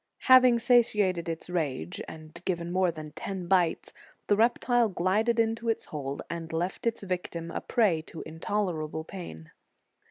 Having satiated its rage, and given more than ten bites, the reptile glided into its hole, and left its victim a prey to intolerable pain.